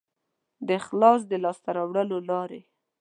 د اخلاص د لاسته راوړلو لارې